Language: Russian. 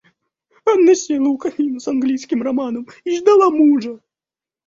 Анна села у камина с английским романом и ждала мужа.